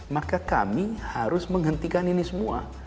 maka kami harus menghentikan ini semua